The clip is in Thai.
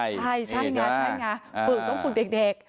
ใช่ใช่ไงใช่ไงฝึกต้องฝึกเด็ก